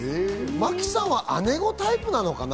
真木さんは姉御タイプなのかな？